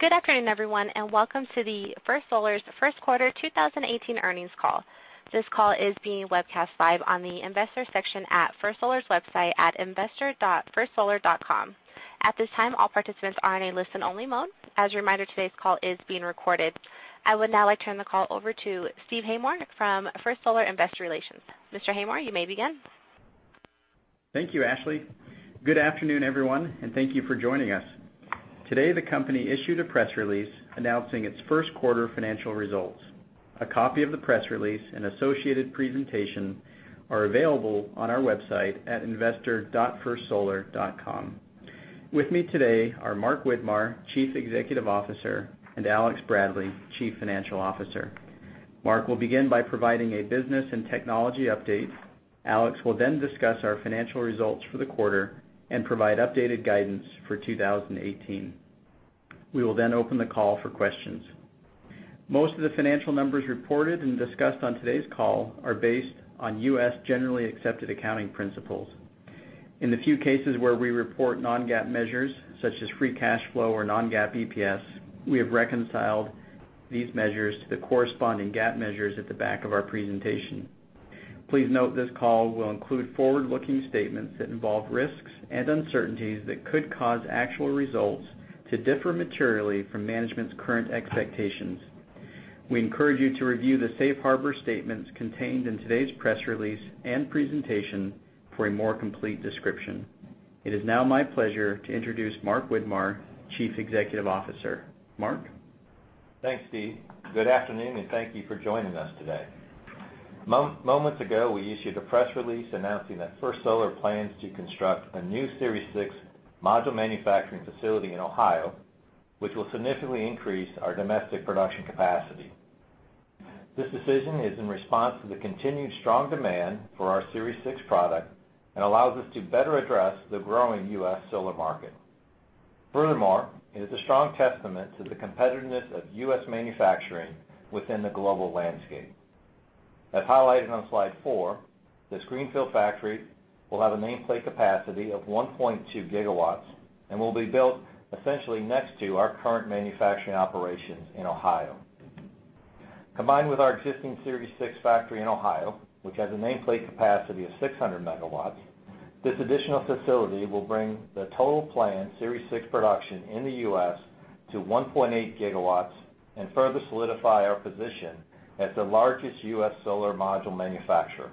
Good afternoon, everyone, and welcome to the First Solar's first quarter 2018 earnings call. This call is being webcast live on the Investors section at First Solar's website at investor.firstsolar.com. At this time, all participants are in a listen-only mode. As a reminder, today's call is being recorded. I would now like to turn the call over to Steve Kaskel from First Solar Investor Relations. Mr. Haymore, you may begin. Thank you, Ashley. Good afternoon, everyone, and thank you for joining us. Today, the company issued a press release announcing its first quarter financial results. A copy of the press release and associated presentation are available on our website at investor.firstsolar.com. With me today are Mark Widmar, Chief Executive Officer, and Alexander Bradley, Chief Financial Officer. Mark will begin by providing a business and technology update. Alex will discuss our financial results for the quarter and provide updated guidance for 2018. We will open the call for questions. Most of the financial numbers reported and discussed on today's call are based on U.S. generally accepted accounting principles. In the few cases where we report non-GAAP measures, such as free cash flow or non-GAAP EPS, we have reconciled these measures to the corresponding GAAP measures at the back of our presentation. Please note this call will include forward-looking statements that involve risks and uncertainties that could cause actual results to differ materially from management's current expectations. We encourage you to review the safe harbor statements contained in today's press release and presentation for a more complete description. It is now my pleasure to introduce Mark Widmar, Chief Executive Officer. Mark? Thanks, Steve. Good afternoon. Thank you for joining us today. Moments ago, we issued a press release announcing that First Solar plans to construct a new Series 6 module manufacturing facility in Ohio, which will significantly increase our domestic production capacity. This decision is in response to the continued strong demand for our Series 6 product and allows us to better address the growing U.S. solar market. Furthermore, it is a strong testament to the competitiveness of U.S. manufacturing within the global landscape. As highlighted on slide four, this greenfield factory will have a nameplate capacity of 1.2 gigawatts and will be built essentially next to our current manufacturing operations in Ohio. Combined with our existing Series 6 factory in Ohio, which has a nameplate capacity of 600 megawatts, this additional facility will bring the total planned Series 6 production in the U.S. to 1.8 gigawatts and further solidify our position as the largest U.S. solar module manufacturer.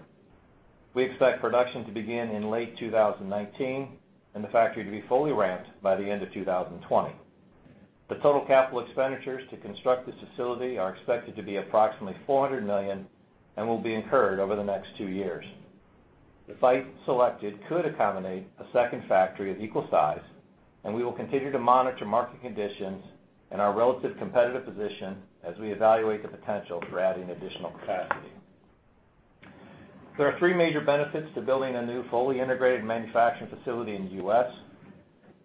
We expect production to begin in late 2019 and the factory to be fully ramped by the end of 2020. The total capital expenditures to construct this facility are expected to be approximately $400 million and will be incurred over the next two years. The site selected could accommodate a second factory of equal size, and we will continue to monitor market conditions and our relative competitive position as we evaluate the potential for adding additional capacity. There are three major benefits to building a new fully integrated manufacturing facility in the U.S.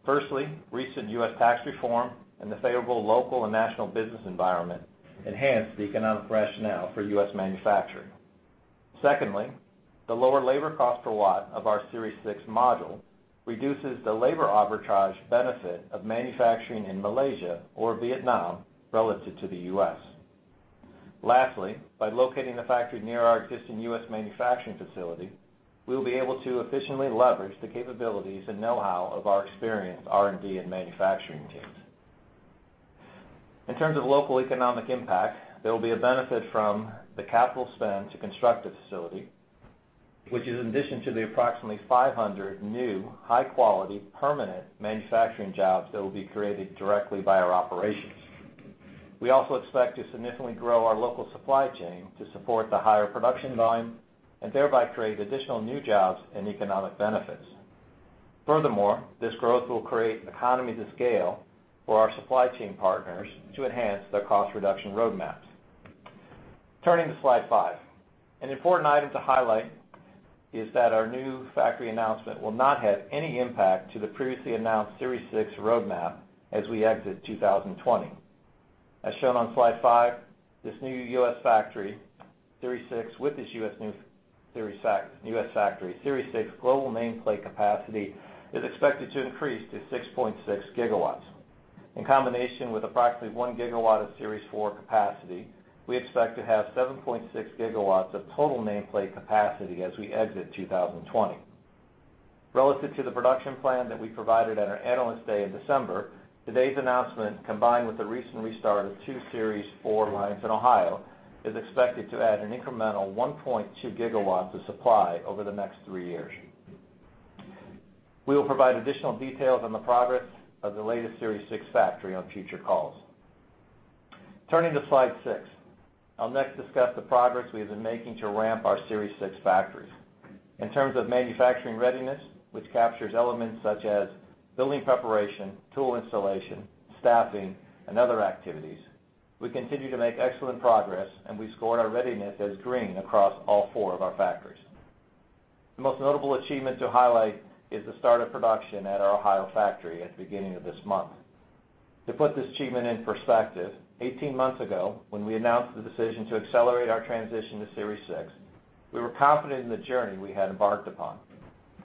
Firstly, recent U.S. tax reform and the favorable local and national business environment enhance the economic rationale for U.S. manufacturing. Secondly, the lower labor cost per watt of our Series 6 module reduces the labor arbitrage benefit of manufacturing in Malaysia or Vietnam relative to the U.S. Lastly, by locating the factory near our existing U.S. manufacturing facility, we will be able to efficiently leverage the capabilities and know-how of our experienced R&D and manufacturing teams. In terms of local economic impact, there will be a benefit from the capital spend to construct the facility, which is in addition to the approximately 500 new, high-quality, permanent manufacturing jobs that will be created directly by our operations. We also expect to significantly grow our local supply chain to support the higher production volume and thereby create additional new jobs and economic benefits. Furthermore, this growth will create economies of scale for our supply chain partners to enhance their cost reduction roadmaps. Turning to slide five. An important item to highlight is that our new factory announcement will not have any impact to the previously announced Series 6 roadmap as we exit 2020. As shown on slide five, with this new U.S. Series 6 factory, Series 6 global nameplate capacity is expected to increase to 6.6 gigawatts. In combination with approximately one gigawatt of Series 4 capacity, we expect to have 7.6 gigawatts of total nameplate capacity as we exit 2020. Relative to the production plan that we provided at our Analyst Day in December, today's announcement, combined with the recent restart of two Series 4 lines in Ohio, is expected to add an incremental 1.2 gigawatts of supply over the next three years. We will provide additional details on the progress of the latest Series 6 factory on future calls. Turning to slide six. I will next discuss the progress we have been making to ramp our Series 6 factories. In terms of manufacturing readiness, which captures elements such as building preparation, tool installation, staffing, and other activities, we continue to make excellent progress, and we scored our readiness as green across all four of our factories. The most notable achievement to highlight is the start of production at our Ohio factory at the beginning of this month. To put this achievement in perspective, 18 months ago, when we announced the decision to accelerate our transition to Series 6, we were confident in the journey we had embarked upon.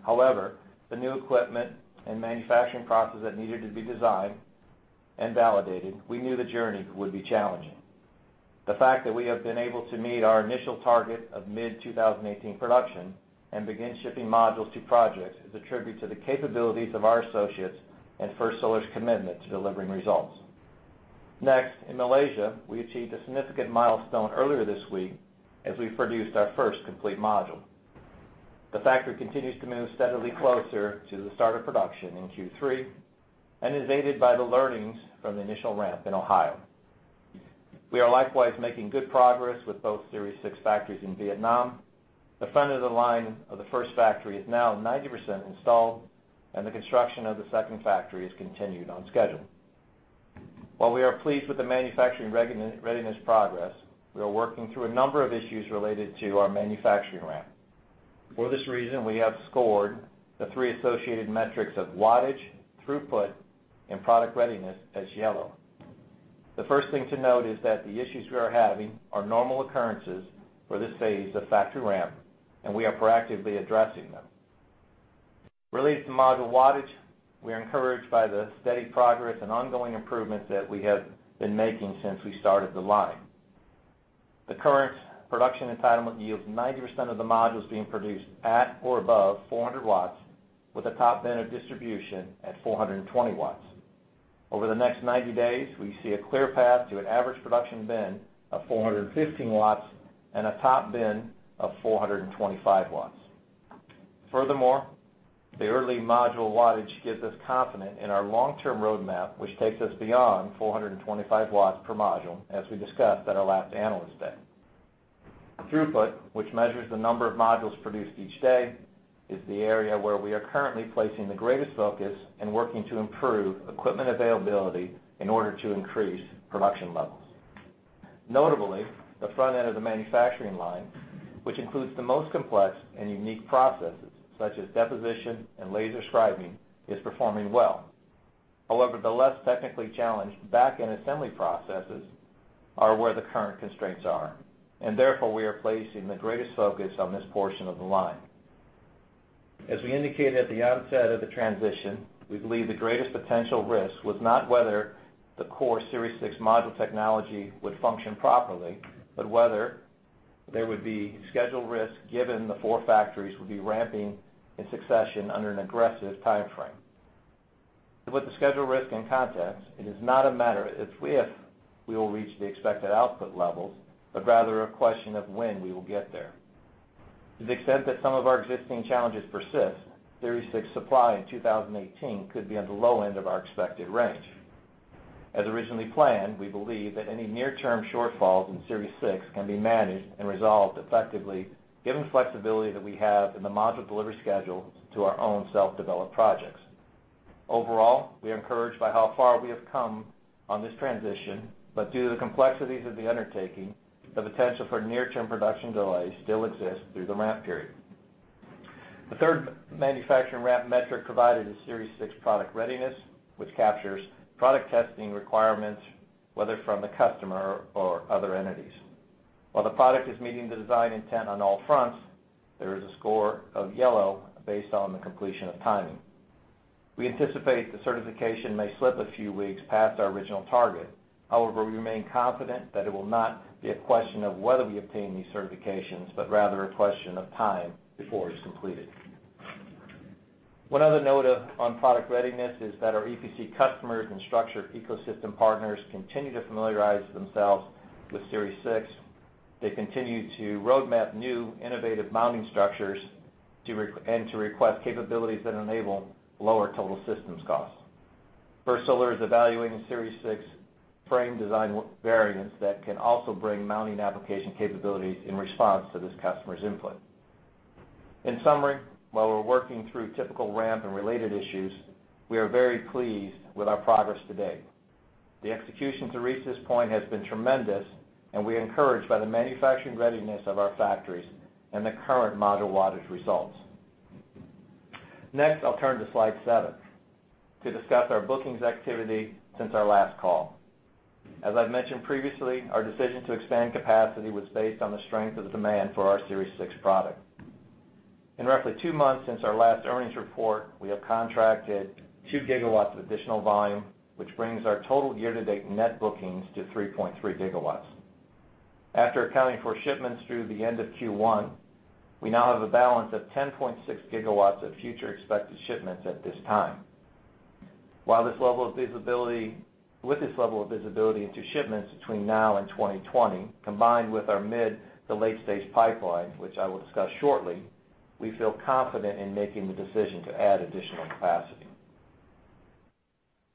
However, the new equipment and manufacturing processes that needed to be designed and validated, we knew the journey would be challenging. The fact that we have been able to meet our initial target of mid-2018 production and begin shipping modules to projects is a tribute to the capabilities of our associates and First Solar's commitment to delivering results. Next, in Malaysia, we achieved a significant milestone earlier this week as we produced our first complete module. The factory continues to move steadily closer to the start of production in Q3 and is aided by the learnings from the initial ramp in Ohio. We are likewise making good progress with both Series 6 factories in Vietnam. The front of the line of the first factory is now 90% installed, and the construction of the second factory has continued on schedule. While we are pleased with the manufacturing readiness progress, we are working through a number of issues related to our manufacturing ramp. For this reason, we have scored the three associated metrics of wattage, throughput, and product readiness as yellow. The first thing to note is that the issues we are having are normal occurrences for this phase of factory ramp, and we are proactively addressing them. Related to module wattage, we are encouraged by the steady progress and ongoing improvements that we have been making since we started the line. The current production entitlement yields 90% of the modules being produced at or above 400 watts, with a top bin of distribution at 420 watts. Over the next 90 days, we see a clear path to an average production bin of 415 watts and a top bin of 425 watts. Furthermore, the early module wattage gives us confidence in our long-term roadmap, which takes us beyond 425 watts per module, as we discussed at our last Analyst Day. Throughput, which measures the number of modules produced each day, is the area where we are currently placing the greatest focus and working to improve equipment availability in order to increase production levels. Notably, the front end of the manufacturing line, which includes the most complex and unique processes, such as deposition and laser scribing, is performing well. However, the less technically challenging back-end assembly processes are where the current constraints are, and therefore, we are placing the greatest focus on this portion of the line. As we indicated at the onset of the transition, we believe the greatest potential risk was not whether the core Series 6 module technology would function properly, but whether there would be schedule risk given the four factories would be ramping in succession under an aggressive timeframe. To put the schedule risk in context, it is not a matter of if we will reach the expected output levels, but rather a question of when we will get there. To the extent that some of our existing challenges persist, Series 6 supply in 2018 could be on the low end of our expected range. As originally planned, we believe that any near-term shortfalls in Series 6 can be managed and resolved effectively, given the flexibility that we have in the module delivery schedules to our own self-developed projects. Overall, we are encouraged by how far we have come on this transition, but due to the complexities of the undertaking, the potential for near-term production delays still exists through the ramp period. The third manufacturing ramp metric provided is Series 6 product readiness, which captures product testing requirements, whether from the customer or other entities. While the product is meeting the design intent on all fronts, there is a score of yellow based on the completion of timing. We anticipate the certification may slip a few weeks past our original target. However, we remain confident that it will not be a question of whether we obtain these certifications, but rather a question of time before it's completed. One other note on product readiness is that our EPC customers and structure ecosystem partners continue to familiarize themselves with Series 6. They continue to roadmap new innovative mounting structures and to request capabilities that enable lower total systems costs. First Solar is evaluating Series 6 frame design variants that can also bring mounting application capabilities in response to this customer's input. In summary, while we're working through typical ramp and related issues, we are very pleased with our progress to date. The execution to reach this point has been tremendous. We are encouraged by the manufacturing readiness of our factories and the current module wattage results. Next, I'll turn to slide seven to discuss our bookings activity since our last call. As I've mentioned previously, our decision to expand capacity was based on the strength of the demand for our Series 6 product. In roughly two months since our last earnings report, we have contracted 2 GW of additional volume, which brings our total year-to-date net bookings to 3.3 GW. After accounting for shipments through the end of Q1, we now have a balance of 10.6 GW of future expected shipments at this time. With this level of visibility into shipments between now and 2020, combined with our mid- to late-stage pipeline, which I will discuss shortly, we feel confident in making the decision to add additional capacity.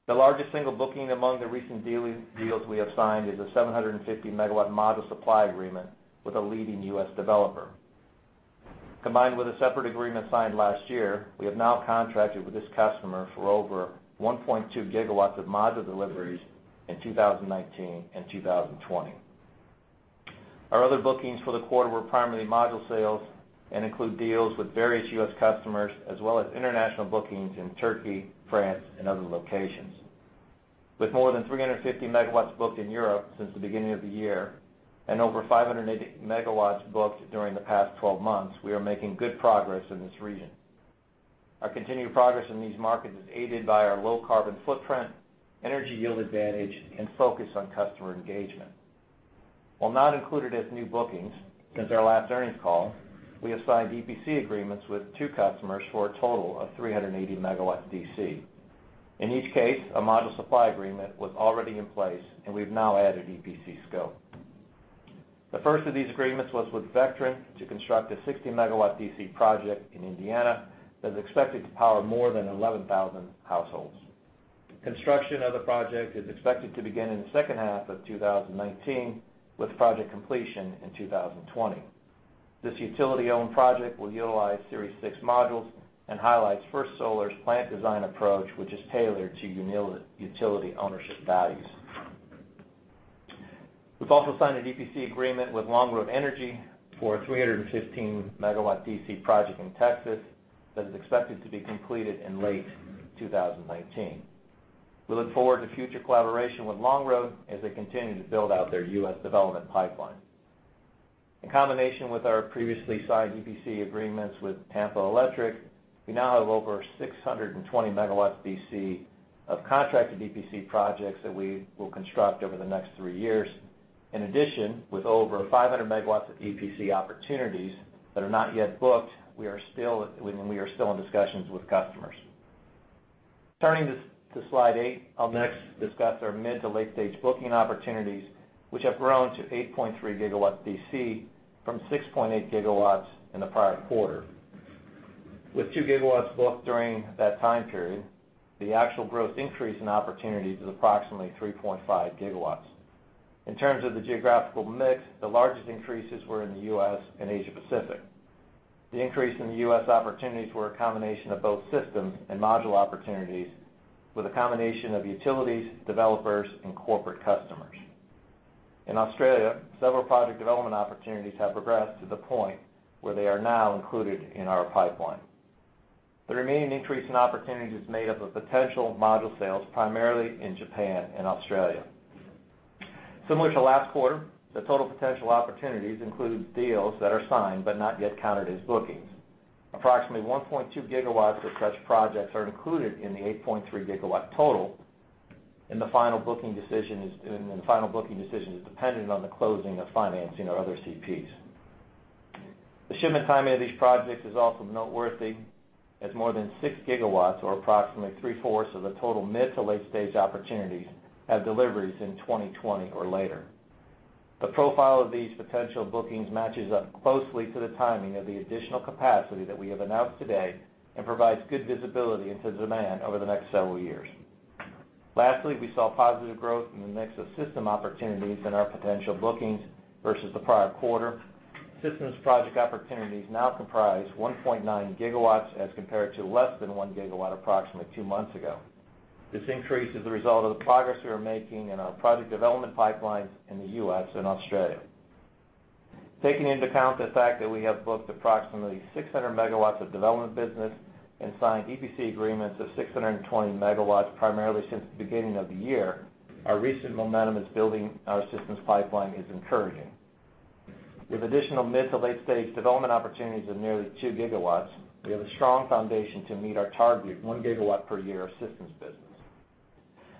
The largest single booking among the recent deals we have signed is a 750 MW module supply agreement with a leading U.S. developer. Combined with a separate agreement signed last year, we have now contracted with this customer for over 1.2 GW of module deliveries in 2019 and 2020. Our other bookings for the quarter were primarily module sales and include deals with various U.S. customers, as well as international bookings in Turkey, France, and other locations. With more than 350 MW booked in Europe since the beginning of the year and over 580 MW booked during the past 12 months, we are making good progress in this region. Our continued progress in these markets is aided by our low carbon footprint, energy yield advantage, and focus on customer engagement. While not included as new bookings since our last earnings call, we have signed EPC agreements with two customers for a total of 380 MW DC. In each case, a module supply agreement was already in place. We've now added EPC scope. The first of these agreements was with Vectren to construct a 60 MW DC project in Indiana that is expected to power more than 11,000 households. Construction of the project is expected to begin in the second half of 2019, with project completion in 2020. This utility-owned project will utilize Series 6 modules and highlights First Solar's plant design approach, which is tailored to utility ownership values. We've also signed an EPC agreement with Longroad Energy for a 315 MW DC project in Texas that is expected to be completed in late 2019. We look forward to future collaboration with Longroad as they continue to build out their U.S. development pipeline. In combination with our previously signed EPC agreements with Tampa Electric, we now have over 620 megawatts DC of contracted EPC projects that we will construct over the next three years. In addition, with over 500 megawatts of EPC opportunities that are not yet booked, we are still in discussions with customers. Turning to slide eight. I will next discuss our mid to late-stage booking opportunities, which have grown to 8.3 gigawatts DC from 6.8 gigawatts in the prior quarter. With two gigawatts booked during that time period, the actual growth increase in opportunities is approximately 3.5 gigawatts. In terms of the geographical mix, the largest increases were in the U.S. and Asia Pacific. The increase in the U.S. opportunities were a combination of both systems and module opportunities with a combination of utilities, developers, and corporate customers. In Australia, several project development opportunities have progressed to the point where they are now included in our pipeline. The remaining increase in opportunities is made up of potential module sales, primarily in Japan and Australia. Similar to last quarter, the total potential opportunities include deals that are signed but not yet counted as bookings. Approximately 1.2 gigawatts of such projects are included in the 8.3-gigawatt total, and the final booking decision is dependent on the closing of financing or other CPs. The shipment timing of these projects is also noteworthy, as more than six gigawatts, or approximately three-fourths of the total mid to late-stage opportunities, have deliveries in 2020 or later. The profile of these potential bookings matches up closely to the timing of the additional capacity that we have announced today and provides good visibility into demand over the next several years. Lastly, we saw positive growth in the mix of system opportunities in our potential bookings versus the prior quarter. Systems project opportunities now comprise 1.9 gigawatts as compared to less than one gigawatt approximately two months ago. This increase is a result of the progress we are making in our project development pipelines in the U.S. and Australia. Taking into account the fact that we have booked approximately 600 megawatts of development business and signed EPC agreements of 620 megawatts primarily since the beginning of the year, our recent momentum in building our systems pipeline is encouraging. With additional mid to late-stage development opportunities of nearly two gigawatts, we have a strong foundation to meet our target of one gigawatt per year systems business.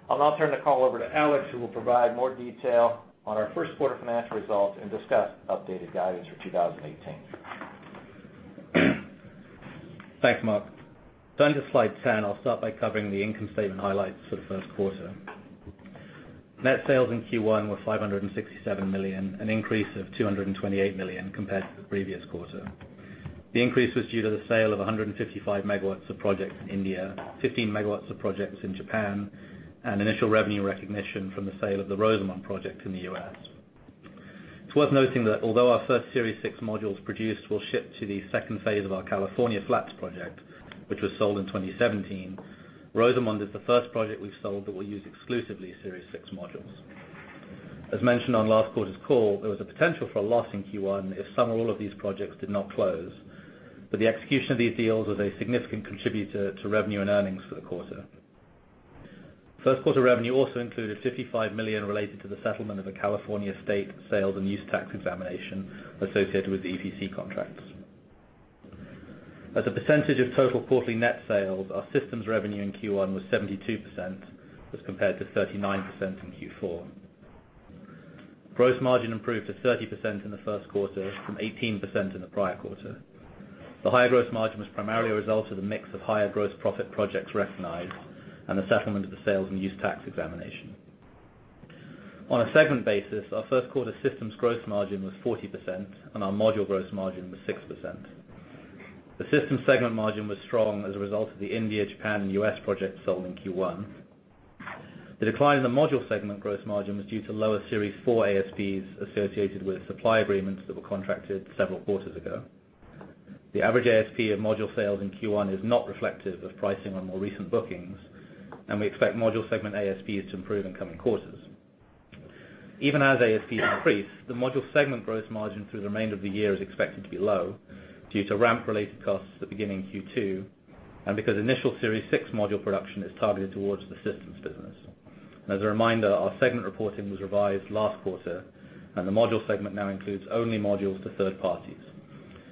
I will now turn the call over to Alex, who will provide more detail on our first quarter financial results and discuss updated guidance for 2018. Thanks, Mark. Turning to slide 10, I'll start by covering the income statement highlights for the first quarter. Net sales in Q1 were $567 million, an increase of $228 million compared to the previous quarter. The increase was due to the sale of 155 MW of projects in India, 15 MW of projects in Japan, and initial revenue recognition from the sale of the Rosamond project in the U.S. It's worth noting that although our first Series 6 modules produced will ship to the second phase of our California Flats project, which was sold in 2017, Rosamond is the first project we've sold that will use exclusively Series 6 modules. As mentioned on last quarter's call, there was a potential for a loss in Q1 if some or all of these projects did not close. The execution of these deals was a significant contributor to revenue and earnings for the quarter. First quarter revenue also included $55 million related to the settlement of a California State sales and use tax examination associated with the EPC contracts. As a percentage of total quarterly net sales, our systems revenue in Q1 was 72%, as compared to 39% in Q4. Gross margin improved to 30% in the first quarter from 18% in the prior quarter. The higher gross margin was primarily a result of the mix of higher gross profit projects recognized and the settlement of the sales and use tax examination. On a segment basis, our first quarter systems gross margin was 40%, and our module gross margin was 6%. The systems segment margin was strong as a result of the India, Japan, and U.S. projects sold in Q1. The decline in the module segment gross margin was due to lower Series 4 ASPs associated with supply agreements that were contracted several quarters ago. The average ASP of module sales in Q1 is not reflective of pricing on more recent bookings, and we expect module segment ASPs to improve in coming quarters. Even as ASPs increase, the module segment gross margin through the remainder of the year is expected to be low due to ramp-related costs at the beginning of Q2, and because initial Series 6 module production is targeted towards the systems business. As a reminder, our segment reporting was revised last quarter, and the module segment now includes only modules to third parties.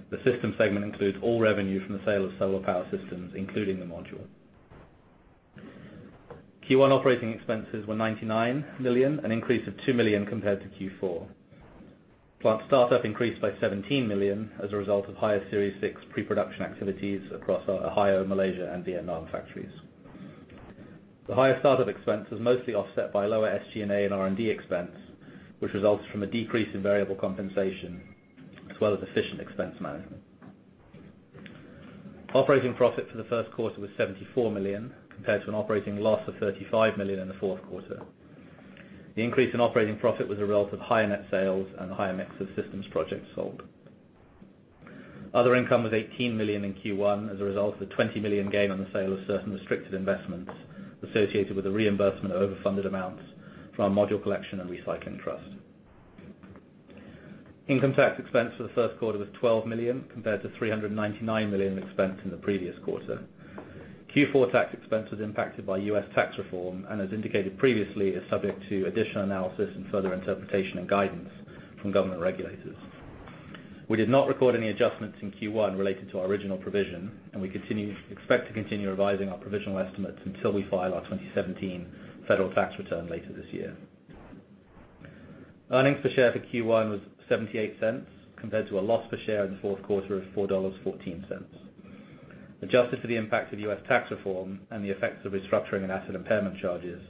The systems segment includes all revenue from the sale of solar power systems, including the module. Q1 operating expenses were $99 million, an increase of $2 million compared to Q4. Plant startup increased by $17 million as a result of higher Series 6 pre-production activities across our Ohio, Malaysia, and Vietnam factories. The higher startup expense was mostly offset by lower SG&A and R&D expense, which results from a decrease in variable compensation as well as efficient expense management. Operating profit for the first quarter was $74 million, compared to an operating loss of $35 million in the fourth quarter. The increase in operating profit was a result of higher net sales and higher mix of systems projects sold. Other income was $18 million in Q1 as a result of the $20 million gain on the sale of certain restricted investments associated with the reimbursement of overfunded amounts from our module collection and recycling trust. Income tax expense for the first quarter was $12 million, compared to $399 million in expense in the previous quarter. Q4 tax expense was impacted by U.S. tax reform and as indicated previously, is subject to additional analysis and further interpretation and guidance from government regulators. We did not record any adjustments in Q1 related to our original provision, we expect to continue revising our provisional estimates until we file our 2017 federal tax return later this year. Earnings per share for Q1 was $0.78, compared to a loss per share in Q4 of $4.14. Adjusted for the impact of U.S. tax reform and the effects of restructuring and asset impairment charges,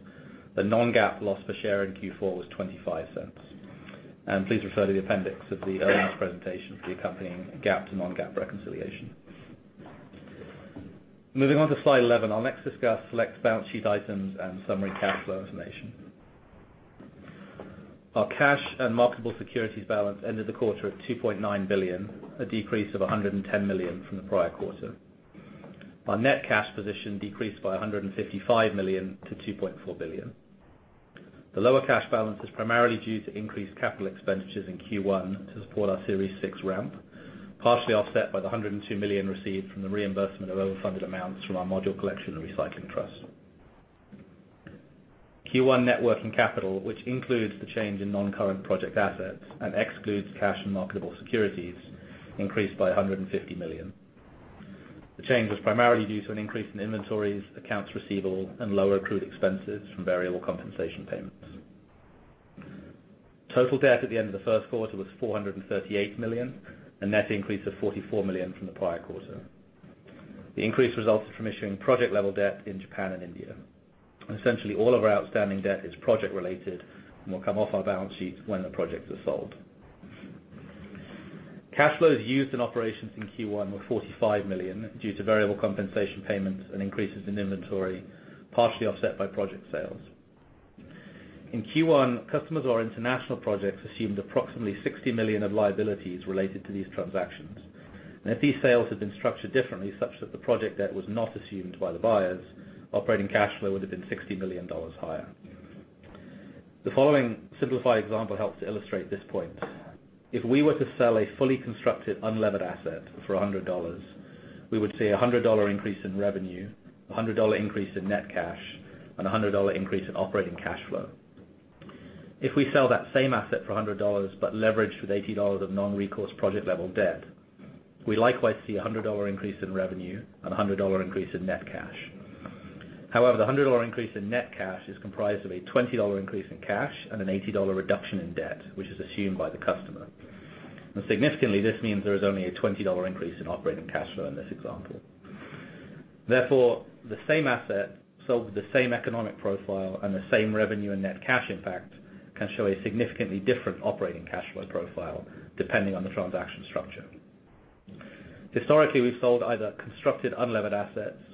the non-GAAP loss per share in Q4 was $0.25. Please refer to the appendix of the earnings presentation for the accompanying GAAP to non-GAAP reconciliation. Moving on to slide 11, I'll next discuss select balance sheet items and summary cash flow information. Our cash and marketable securities balance ended the quarter at $2.9 billion, a decrease of $110 million from the prior quarter. Our net cash position decreased by $155 million to $2.4 billion. The lower cash balance is primarily due to increased capital expenditures in Q1 to support our Series 6 ramp, partially offset by the $102 million received from the reimbursement of overfunded amounts from our module collection and recycling trust. Q1 net working capital, which includes the change in non-current project assets and excludes cash and marketable securities, increased by $150 million. The change was primarily due to an increase in inventories, accounts receivable, and lower accrued expenses from variable compensation payments. Total debt at the end of Q1 was $438 million, a net increase of $44 million from the prior quarter. The increase resulted from issuing project-level debt in Japan and India. Essentially all of our outstanding debt is project-related and will come off our balance sheets when the projects are sold. Cash flows used in operations in Q1 were $45 million due to variable compensation payments and increases in inventory, partially offset by project sales. In Q1, customers of our international projects assumed approximately $60 million of liabilities related to these transactions. If these sales had been structured differently, such that the project debt was not assumed by the buyers, operating cash flow would have been $60 million higher. The following simplified example helps to illustrate this point. If we were to sell a fully constructed unlevered asset for $100, we would see a $100 increase in revenue, a $100 increase in net cash, and a $100 increase in operating cash flow. If we sell that same asset for $100, but leveraged with $80 of non-recourse project-level debt, we likewise see $100 increase in revenue and $100 increase in net cash.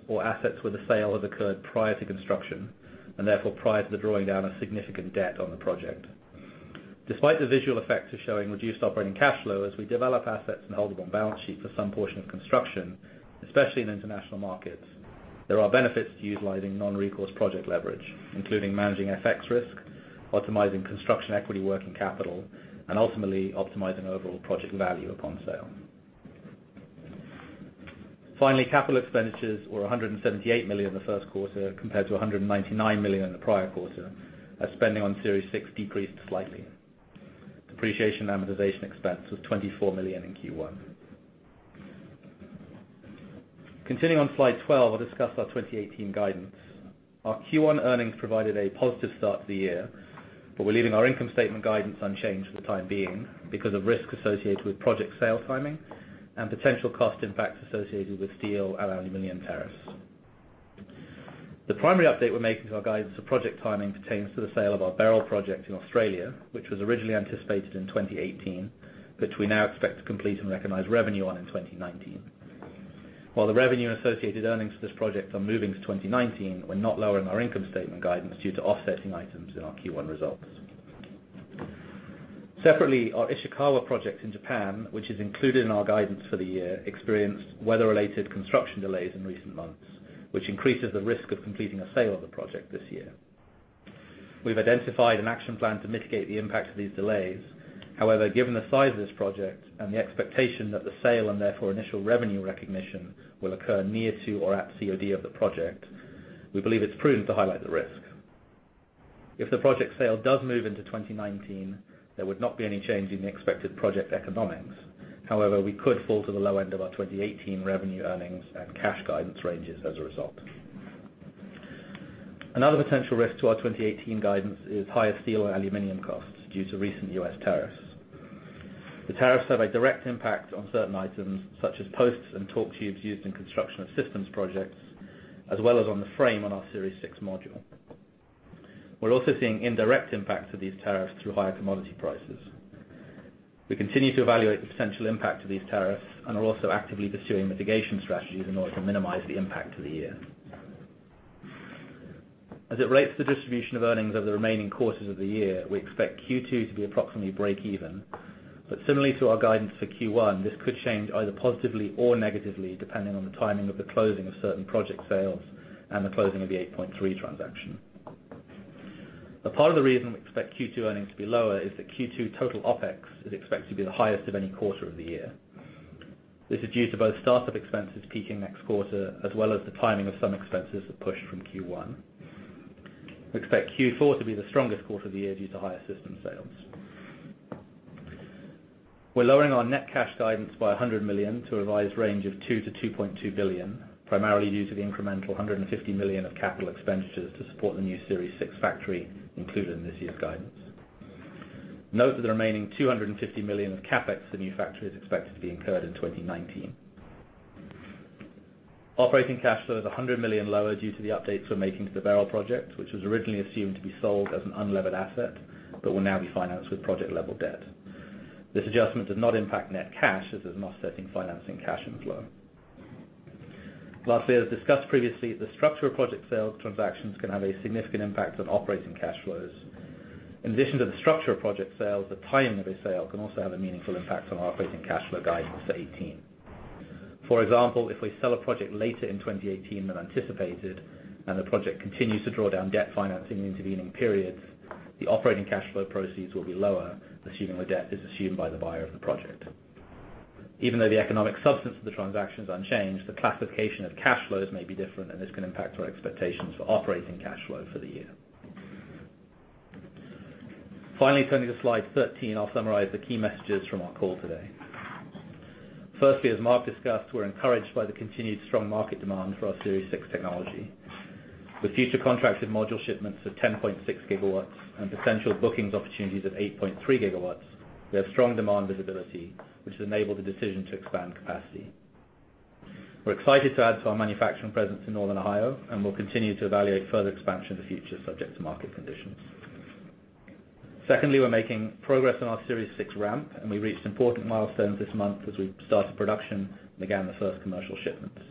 or assets where the sale has occurred prior to construction, and therefore prior to the drawing down of significant debt on the project. Despite the visual effects of showing reduced operating cash flows, we develop assets and hold them on balance sheet for some portion of construction, especially in international markets. There are benefits to utilizing non-recourse project leverage, including managing FX risk, optimizing construction equity working capital, and ultimately optimizing overall project value upon sale. Capital expenditures were $178 million in the first quarter compared to $199 million in the prior quarter as spending on Series 6 decreased slightly. Depreciation amortization expense was $24 million in Q1. Continuing on slide 12, I'll discuss our 2018 guidance. Our Q1 earnings provided a positive start to the year, we're leaving our income statement guidance unchanged for the time being because of risk associated with project sale timing and potential cost impacts associated with steel, aluminum, and tariffs. The primary update we're making to our guidance for project timing pertains to the sale of our Barilla project in Australia, which was originally anticipated in 2018, which we now expect to complete and recognize revenue on in 2019. The revenue associated earnings for this project are moving to 2019, we're not lowering our income statement guidance due to offsetting items in our Q1 results. Our Ishikawa project in Japan, which is included in our guidance for the year, experienced weather-related construction delays in recent months, which increases the risk of completing a sale of the project this year. We've identified an action plan to mitigate the impact of these delays. Given the size of this project and the expectation that the sale and therefore initial revenue recognition will occur near to or at COD of the project, we believe it's prudent to highlight the risk. If the project sale does move into 2019, there would not be any change in the expected project economics. We could fall to the low end of our 2018 revenue earnings and cash guidance ranges as a result. Another potential risk to our 2018 guidance is higher steel and aluminum costs due to recent U.S. tariffs. The tariffs have a direct impact on certain items, such as posts and torque tubes used in construction of systems projects, as well as on the frame on our Series 6 module. We're also seeing indirect impacts of these tariffs through higher commodity prices. We continue to evaluate the potential impact of these tariffs and are also actively pursuing mitigation strategies in order to minimize the impact to the year. As it relates to the distribution of earnings over the remaining quarters of the year, we expect Q2 to be approximately break even. Similarly to our guidance for Q1, this could change either positively or negatively, depending on the timing of the closing of certain project sales and the closing of the 8point3 transaction. A part of the reason we expect Q2 earnings to be lower is that Q2 total OpEx is expected to be the highest of any quarter of the year. This is due to both start-up expenses peaking next quarter, as well as the timing of some expenses that pushed from Q1. We expect Q4 to be the strongest quarter of the year due to higher system sales. We're lowering our net cash guidance by $100 million to a revised range of $2 billion-$2.2 billion, primarily due to the incremental $150 million of capital expenditures to support the new Series 6 factory included in this year's guidance. Note that the remaining $250 million of CapEx for the new factory is expected to be incurred in 2019. Operating cash flow is $100 million lower due to the updates we're making to the Barilla project, which was originally assumed to be sold as an unlevered asset but will now be financed with project-level debt. This adjustment does not impact net cash as there's an offsetting financing cash inflow. Lastly, as discussed previously, the structure of project sale transactions can have a significant impact on operating cash flows. In addition to the structure of project sales, the timing of a sale can also have a meaningful impact on operating cash flow guidance for 2018. For example, if we sell a project later in 2018 than anticipated, and the project continues to draw down debt financing in the intervening periods, the operating cash flow proceeds will be lower, assuming the debt is assumed by the buyer of the project. Even though the economic substance of the transaction is unchanged, the classification of cash flows may be different, and this can impact our expectations for operating cash flow for the year. Finally, turning to slide 13, I'll summarize the key messages from our call today. Firstly, as Mark discussed, we're encouraged by the continued strong market demand for our Series 6 technology. With future contracted module shipments of 10.6 gigawatts and potential bookings opportunities of 8.3 gigawatts, we have strong demand visibility, which has enabled the decision to expand capacity. We're excited to add to our manufacturing presence in Northern Ohio, and we'll continue to evaluate further expansion in the future, subject to market conditions. Secondly, we're making progress on our Series 6 ramp, and we reached important milestones this month as we started production and began the first commercial shipments.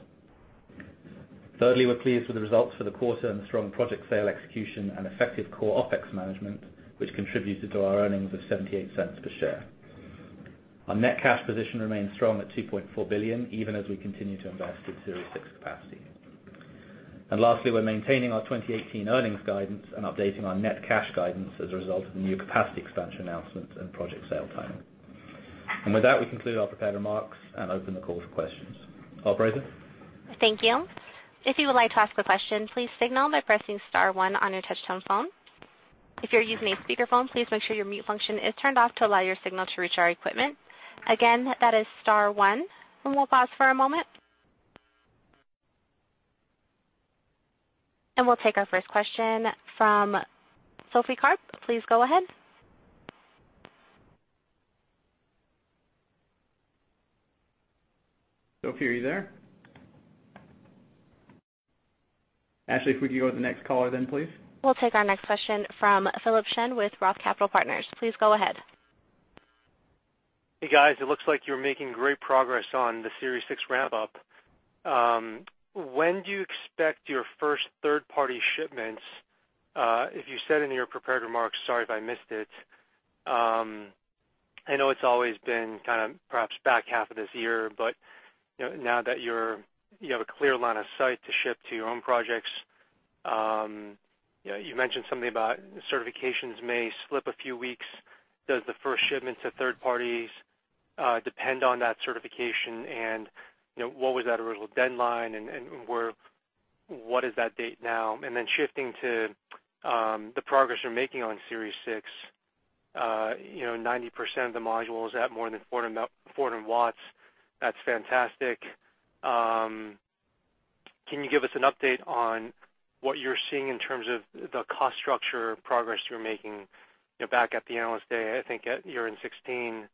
Thirdly, we're pleased with the results for the quarter and the strong project sale execution and effective core OpEx management, which contributed to our earnings of $0.78 per share. Our net cash position remains strong at $2.4 billion, even as we continue to invest in Series 6 capacity. Lastly, we're maintaining our 2018 earnings guidance and updating our net cash guidance as a result of the new capacity expansion announcement and project sale timing. With that, we conclude our prepared remarks and open the call for questions. Operator? Thank you. If you would like to ask a question, please signal by pressing *1 on your touch-tone phone. If you're using a speakerphone, please make sure your mute function is turned off to allow your signal to reach our equipment. Again, that is *1, and we'll pause for a moment. We'll take our first question from Sophie Karp. Please go ahead. Sophie, are you there? Ashley, if we could go to the next caller then, please. We'll take our next question from Philip Shen with Roth Capital Partners. Please go ahead. Hey, guys. It looks like you're making great progress on the Series 6 ramp-up. When do you expect your first third-party shipments? If you said in your prepared remarks, sorry if I missed it. I know it's always been perhaps back half of this year. Now that you have a clear line of sight to ship to your own projects, you mentioned something about certifications may slip a few weeks. Does the first shipment to third parties depend on that certification? What was that original deadline, and what is that date now? Shifting to the progress you're making on Series 6, 90% of the modules at more than 400 watts, that's fantastic. Can you give us an update on what you're seeing in terms of the cost structure progress you're making? Back at the Analyst Day, I think year-end 2016,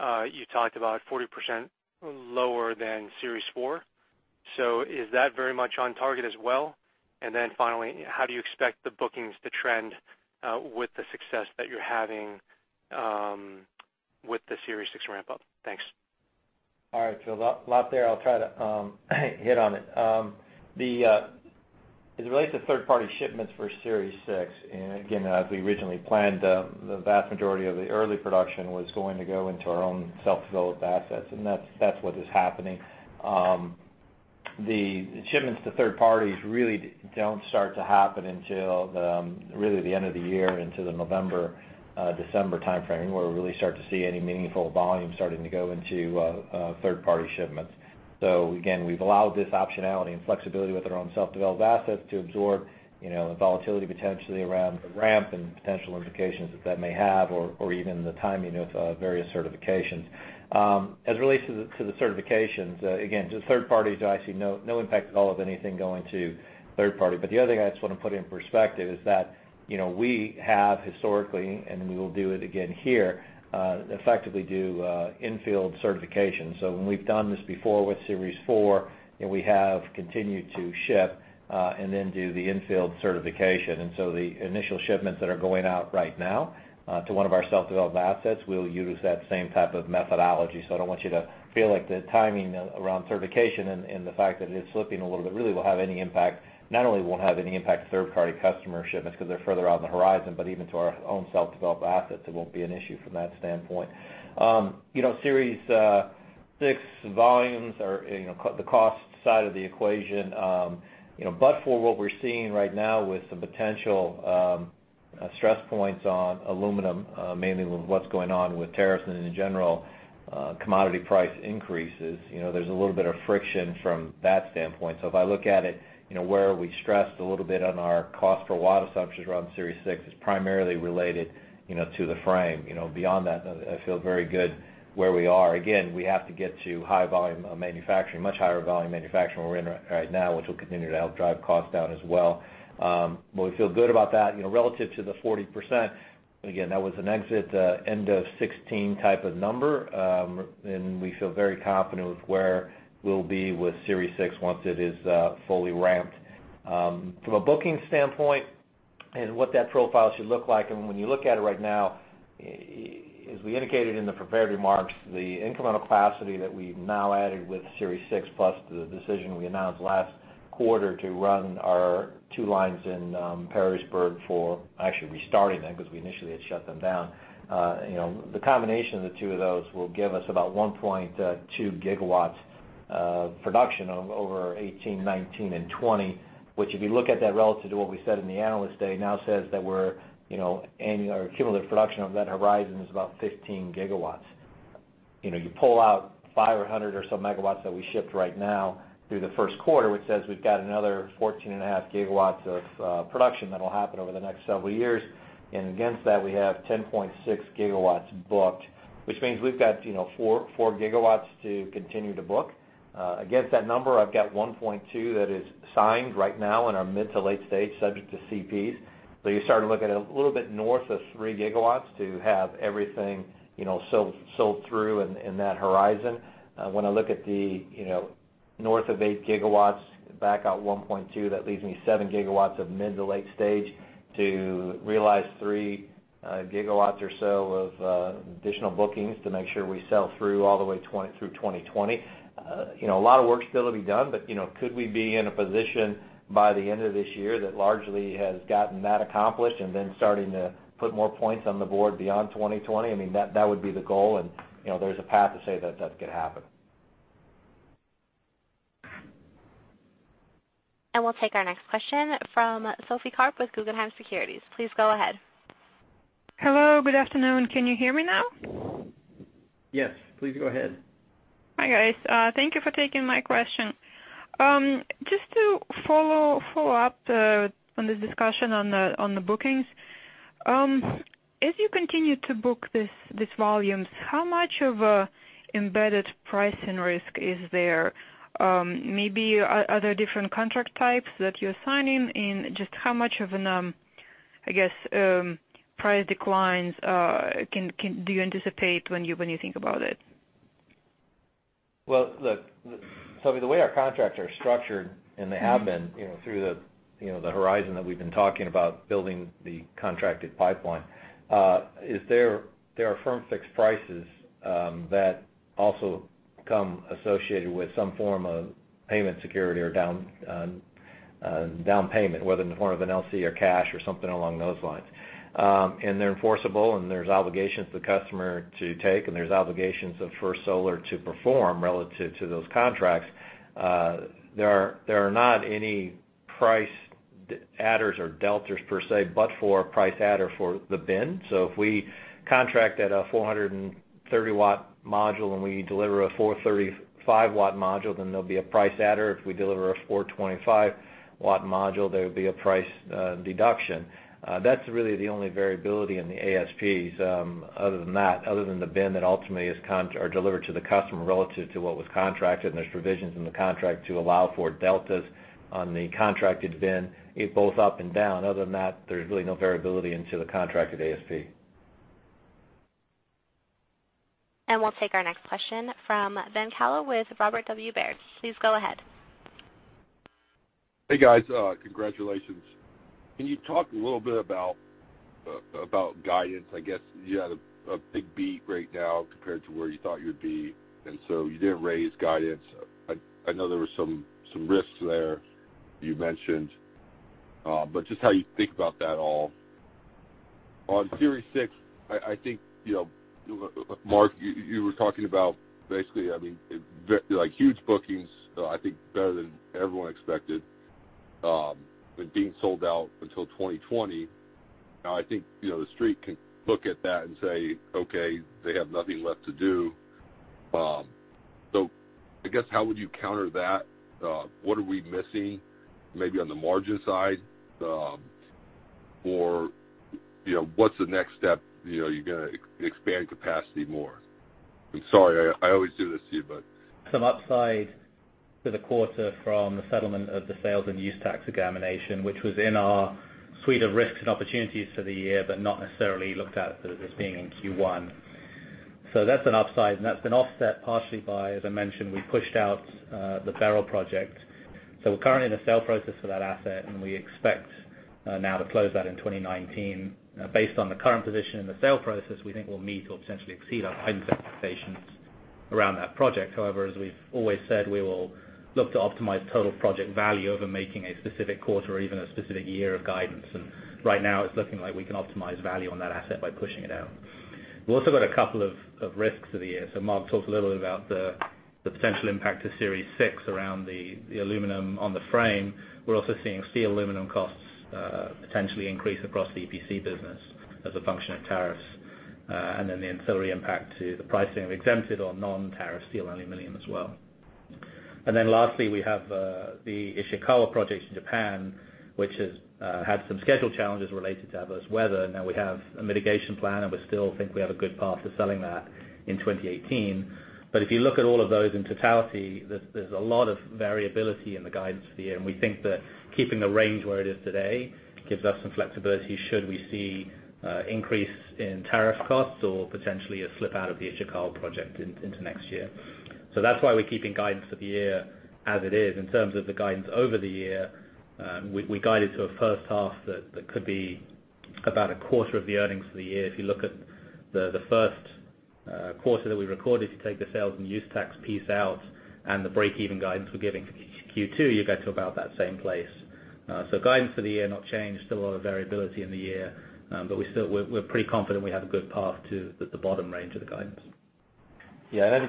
you talked about 40% lower than Series 4. Is that very much on target as well? Finally, how do you expect the bookings to trend with the success that you're having with the Series 6 ramp-up? Thanks. All right, a lot there. I'll try to hit on it. As it relates to third-party shipments for Series 6, again, as we originally planned, the vast majority of the early production was going to go into our own self-developed assets, and that's what is happening. The shipments to third parties really don't start to happen until really the end of the year into the November, December timeframe, where we really start to see any meaningful volume starting to go into third-party shipments. Again, we've allowed this optionality and flexibility with our own self-developed assets to absorb the volatility potentially around the ramp and the potential implications that that may have or even the timing of various certifications. As it relates to the certifications, again, just third parties, I see no impact at all of anything going to third-party. The other thing I just want to put in perspective is that, we have historically, and we will do it again here, effectively do in-field certification. When we've done this before with Series 4, we have continued to ship and then do the in-field certification. The initial shipments that are going out right now to one of our self-developed assets, we'll use that same type of methodology. I don't want you to feel like the timing around certification and the fact that it's slipping a little bit really will have any impact, not only won't have any impact to third-party customer shipments because they're further out in the horizon, but even to our own self-developed assets, it won't be an issue from that standpoint. Series 6 volumes are the cost side of the equation. For what we're seeing right now with some potential stress points on aluminum, mainly with what's going on with tariffs and in general, commodity price increases, there's a little bit of friction from that standpoint. If I look at it, where we stressed a little bit on our cost per watt assumptions around Series 6 is primarily related to the frame. Beyond that, I feel very good where we are. Again, we have to get to high volume of manufacturing, much higher volume manufacturing where we're in right now, which will continue to help drive cost down as well. Again, we feel good about that, relative to the 40%. Again, that was an exit end of 2016 type of number. We feel very confident with where we'll be with Series 6 once it is fully ramped. From a booking standpoint and what that profile should look like, when you look at it right now, as we indicated in the prepared remarks, the incremental capacity that we've now added with Series 6 plus the decision we announced last quarter to run our two lines in Perrysburg for actually restarting them because we initially had shut them down. The combination of the two of those will give us about 1.2 gigawatts of production over 2018, 2019, and 2020, which if you look at that relative to what we said in the Analyst Day, now says that our cumulative production of that horizon is about 15 gigawatts. You pull out 500 or so megawatts that we shipped right now through the first quarter, which says we've got another 14 and a half gigawatts of production that'll happen over the next several years. Against that, we have 10.6 gigawatts booked, which means we've got four gigawatts to continue to book. Against that number, I've got 1.2 that is signed right now in our mid to late stage, subject to CPs. You start to look at it a little bit north of three gigawatts to have everything sold through in that horizon. When I look at the north of eight gigawatts back out 1.2, that leaves me seven gigawatts of mid to late stage to realize three gigawatts or so of additional bookings to make sure we sell through all the way through 2020. A lot of work still to be done, but could we be in a position by the end of this year that largely has gotten that accomplished and then starting to put more points on the board beyond 2020? I mean, that would be the goal, there's a path to say that could happen. We'll take our next question from Sophie Karp with Guggenheim Securities. Please go ahead. Hello. Good afternoon. Can you hear me now? Yes. Please go ahead. Hi, guys. Thank you for taking my question. Just to follow up on this discussion on the bookings. As you continue to book these volumes, how much of an embedded pricing risk is there? Maybe are there different contract types that you're signing? Just how much of, I guess, price declines do you anticipate when you think about it? Well, look, Sophie, the way our contracts are structured and they have been through the horizon that we've been talking about building the contracted pipeline, is there are firm fixed prices that also come associated with some form of payment security or down payment, whether in the form of an LC or cash or something along those lines. They're enforceable, and there's obligations to the customer to take, and there's obligations of First Solar to perform relative to those contracts. There are not any price adders or deltas per se, but for a price adder for the bin. If we contract at a 430-watt module and we deliver a 435-watt module, then there'll be a price adder. If we deliver a 425-watt module, there would be a price deduction. That's really the only variability in the ASPs. Other than that, other than the bin that ultimately are delivered to the customer relative to what was contracted, and there's provisions in the contract to allow for deltas on the contracted bin, both up and down. Other than that, there's really no variability into the contracted ASP. We'll take our next question from Ben Kallo with Robert W. Baird. Please go ahead. Hey guys, congratulations. Can you talk a little bit about guidance? I guess you had a big beat right now compared to where you thought you'd be, and so you didn't raise guidance. I know there were some risks there you mentioned, but just how you think about that all. On Series 6, Mark, you were talking about basically, huge bookings, I think better than everyone expected, with being sold out until 2020. Now, I think, the Street can look at that and say, "Okay, they have nothing left to do." I guess, how would you counter that? What are we missing maybe on the margin side? What's the next step? You're going to expand capacity more. I'm sorry, I always do this to you. Some upside to the quarter from the settlement of the sales and use tax examination, which was in our suite of risks and opportunities for the year, but not necessarily looked at sort of as being in Q1. That's an upside, and that's been offset partially by, as I mentioned, we pushed out the Barilla project. We're currently in a sale process for that asset, and we expect now to close that in 2019. Based on the current position in the sale process, we think we'll meet or potentially exceed our guidance expectations around that project. However, as we've always said, we will look to optimize total project value over making a specific quarter or even a specific year of guidance. Right now it's looking like we can optimize value on that asset by pushing it out. We've also got a couple of risks for the year. Mark talked a little bit about the potential impact to Series 6 around the aluminum on the frame. We're also seeing steel, aluminum costs potentially increase across the EPC business as a function of tariffs. The ancillary impact to the pricing of exempted or non-tariff steel and aluminum as well. Lastly, we have the Ishikawa project in Japan, which has had some schedule challenges related to adverse weather. Now we have a mitigation plan, and we still think we have a good path to selling that in 2018. If you look at all of those in totality, there's a lot of variability in the guidance for the year, and we think that keeping the range where it is today gives us some flexibility should we see increase in tariff costs or potentially a slip out of the Ishikawa project into next year. That's why we're keeping guidance for the year as it is. In terms of the guidance over the year, we guided to a first half that could be about a quarter of the earnings for the year. If you look at the first quarter that we recorded, if you take the sales and use tax piece out and the breakeven guidance we're giving for Q2, you get to about that same place. Guidance for the year not changed. Still a lot of variability in the year. We're pretty confident we have a good path to the bottom range of the guidance. Yeah.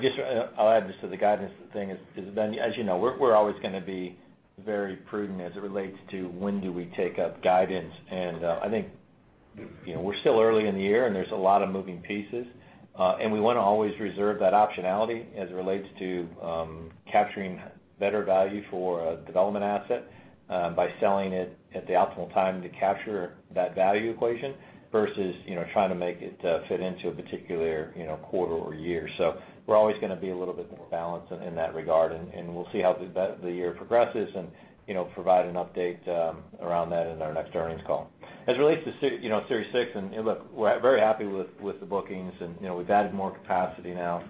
I'll add this to the guidance thing is, Ben, as you know, we're always going to be very prudent as it relates to when do we take up guidance. I think, we're still early in the year, and there's a lot of moving pieces. We want to always reserve that optionality as it relates to capturing better value for a development asset by selling it at the optimal time to capture that value equation versus trying to make it fit into a particular quarter or year. We're always going to be a little bit more balanced in that regard, and we'll see how the year progresses and provide an update around that in our next earnings call. As it relates to Series 6, look, we're very happy with the bookings and we've added more capacity now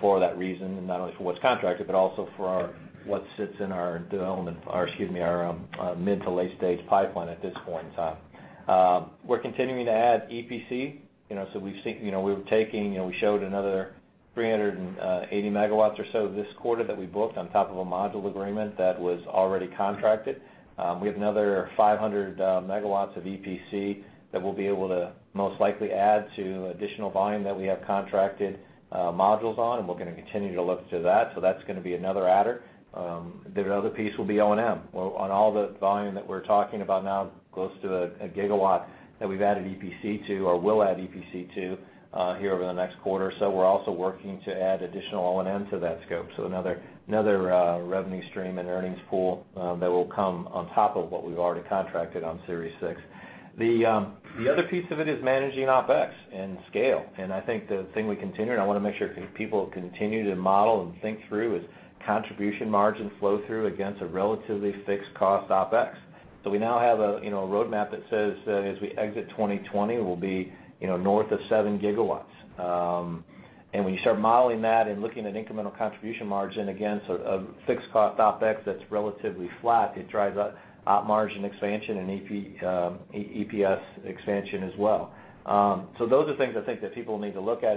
for that reason, and not only for what's contracted, but also for what sits in our mid to late-stage pipeline at this point in time. We're continuing to add EPC. We showed another 380 megawatts or so this quarter that we booked on top of a module agreement that was already contracted. We have another 500 megawatts of EPC that we'll be able to most likely add to additional volume that we have contracted modules on, and we're going to continue to look to that. That's going to be another adder. The other piece will be O&M. On all the volume that we're talking about now, close to a gigawatt that we've added EPC to or will add EPC to here over the next quarter or so, we're also working to add additional O&M to that scope. Another revenue stream and earnings pool that will come on top of what we've already contracted on Series 6. The other piece of it is managing OpEx and scale. I think the thing we continue, and I want to make sure people continue to model and think through is contribution margin flow through against a relatively fixed cost OpEx. We now have a roadmap that says that as we exit 2020, we'll be north of seven gigawatts. When you start modeling that and looking at incremental contribution margin against a fixed cost OpEx that's relatively flat, it drives up margin expansion and EPS expansion as well. Those are things I think that people need to look at.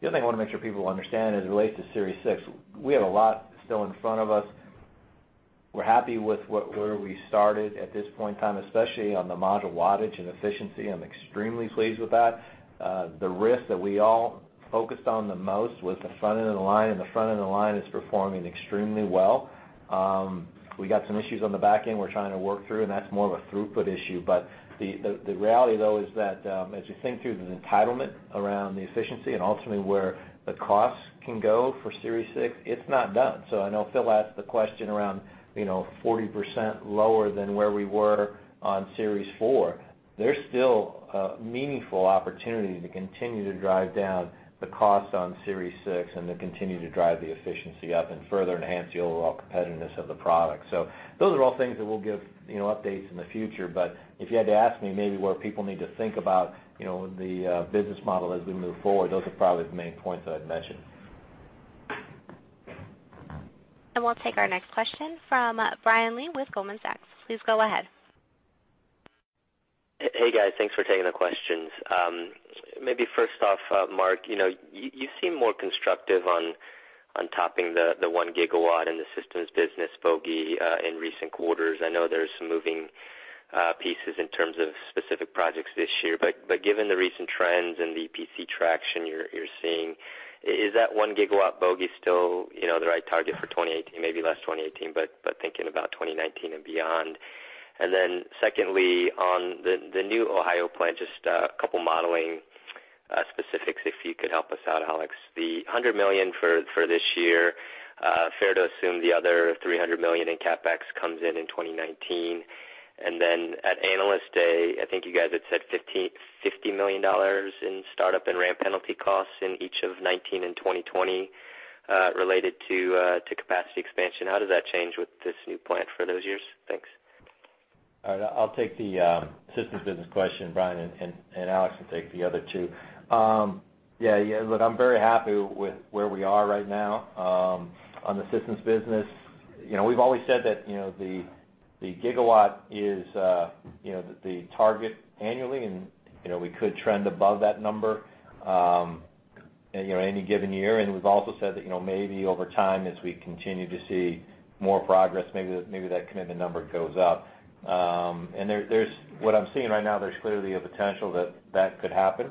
The other thing I want to make sure people understand as it relates to Series 6, we have a lot still in front of us. We're happy with where we started at this point in time, especially on the module wattage and efficiency. I'm extremely pleased with that. The risk that we all focused on the most was the front of the line, and the front of the line is performing extremely well. We got some issues on the back end we're trying to work through, and that's more of a throughput issue. The reality, though, is that as you think through the entitlement around the efficiency and ultimately where the costs can go for Series 6, it's not done. I know Phil asked the question around 40% lower than where we were on Series 4. There's still a meaningful opportunity to continue to drive down the cost on Series 6 and to continue to drive the efficiency up and further enhance the overall competitiveness of the product. Those are all things that we'll give updates in the future. If you had to ask me maybe what people need to think about the business model as we move forward, those are probably the main points that I'd mention. We'll take our next question from Brian Lee with Goldman Sachs. Please go ahead. Hey, guys. Thanks for taking the questions. Maybe first off, Mark, you seem more constructive on topping the 1 gigawatt in the systems business bogey in recent quarters. I know there's some moving pieces in terms of specific projects this year, but given the recent trends and the EPC traction you're seeing, is that 1 gigawatt bogey still the right target for 2018, maybe less 2018, but thinking about 2019 and beyond? Secondly, on the new Ohio plant, just a couple modeling specifics, if you could help us out, Alex. The $100 million for this year, fair to assume the other $300 million in CapEx comes in in 2019. At Analyst Day, I think you guys had said $50 million in startup and ramp penalty costs in each of 2019 and 2020, related to capacity expansion. How does that change with this new plant for those years? Thanks. All right. I'll take the systems business question, Brian, Alex can take the other two. Yeah, look, I'm very happy with where we are right now on the systems business. We've always said that the gigawatt is the target annually, and we could trend above that number any given year. We've also said that maybe over time, as we continue to see more progress, maybe that commitment number goes up. What I'm seeing right now, there's clearly a potential that that could happen,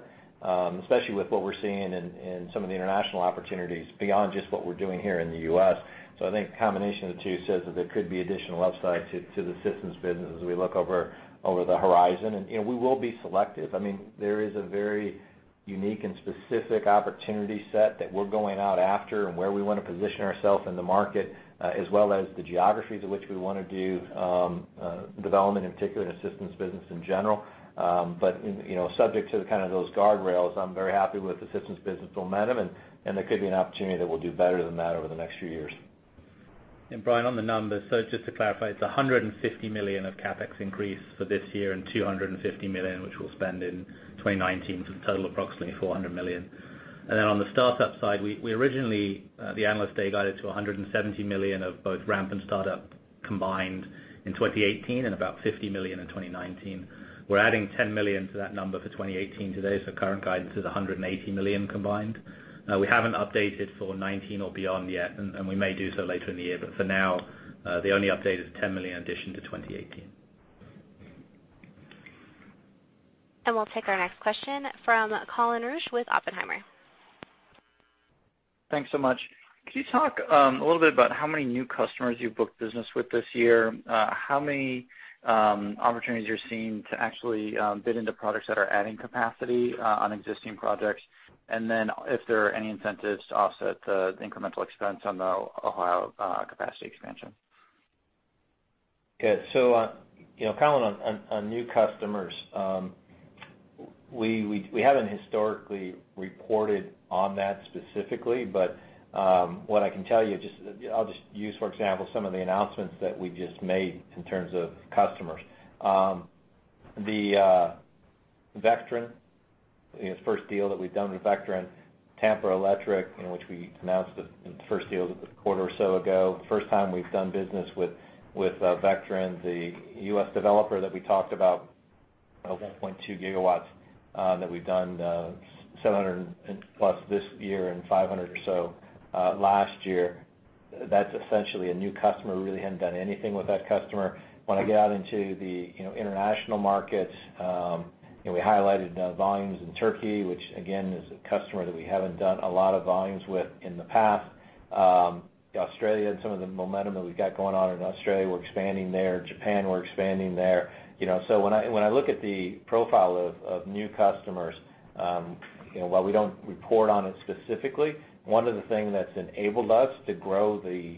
especially with what we're seeing in some of the international opportunities beyond just what we're doing here in the U.S. I think a combination of the two says that there could be additional upside to the systems business as we look over the horizon. We will be selective. There is a very unique and specific opportunity set that we're going out after and where we want to position ourself in the market, as well as the geographies in which we want to do development, in particular, in the systems business in general. Subject to those guardrails, I'm very happy with the systems business momentum, there could be an opportunity that we'll do better than that over the next few years. Brian, on the numbers, just to clarify, it's $150 million of CapEx increase for this year and $250 million, which we'll spend in 2019, to total approximately $400 million. On the startup side, we originally, at the Analyst Day, guided to $170 million of both ramp and startup combined in 2018 and about $50 million in 2019. We're adding $10 million to that number for 2018 today, current guidance is $180 million combined. We haven't updated for 2019 or beyond yet, we may do so later in the year, but for now, the only update is $10 million addition to 2018. We'll take our next question from Colin Rusch with Oppenheimer. Thanks so much. Can you talk a little bit about how many new customers you've booked business with this year, how many opportunities you're seeing to actually bid into products that are adding capacity on existing projects, and then if there are any incentives to offset the incremental expense on the Ohio capacity expansion? Okay. Colin, on new customers, we haven't historically reported on that specifically, but what I can tell you, I'll just use, for example, some of the announcements that we just made in terms of customers. The Vectren, first deal that we've done with Vectren. Tampa Electric, which we announced the first deal a quarter or so ago. First time we've done business with Vectren. The U.S. developer that we talked about, of 1.2 gigawatts, that we've done 700-plus this year and 500 or so last year. That's essentially a new customer. We really hadn't done anything with that customer. When I get out into the international markets, we highlighted volumes in Turkey, which again, is a customer that we haven't done a lot of volumes with in the past. Australia, and some of the momentum that we've got going on in Australia, we're expanding there. Japan, we're expanding there. When I look at the profile of new customers, while we don't report on it specifically, one of the thing that's enabled us to grow the